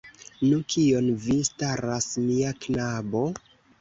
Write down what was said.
Nu, kion vi staras, mia knabo?